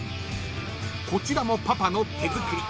［こちらもパパの手作り］